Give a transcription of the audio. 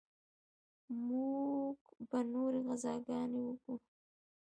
موږ به نورې غزاګانې وکو.